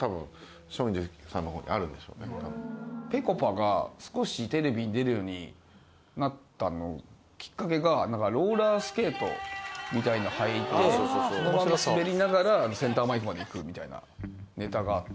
ぺこぱが少しテレビに出るようになったきっかけがローラースケートみたいなの履いて滑りながらセンターマイクまで行くみたいなネタがあって。